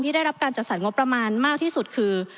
ได้รับการจัดสรรงบประมาณมากที่สุดคือ